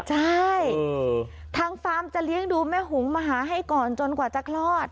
ใช่ทางฟาร์มจะเลี้ยงดูแม่หุงมาหาให้ก่อนจนกว่าจะคลอด